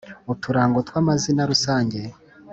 Uturango twa mazina rusange